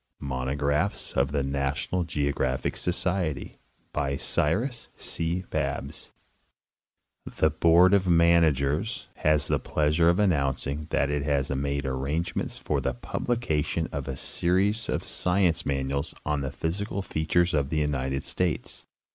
MONOGRAPHS OF THE NATIONAL GEOGRAPHIC SOCIETY The Board of Managers has the pleasure of announcing that it has made arrangements for the publication of a series of science manuals on the physical features of the United States.